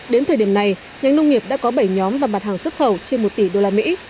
đến thời điểm này ngành nông nghiệp đã có bảy nhóm và mặt hàng xuất khẩu trên một tỷ đô la mỹ